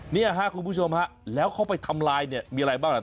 เนี่ยฮะคุณผู้ชมฮะแล้วเข้าไปทำลายเนี่ยมีอะไรบ้างล่ะ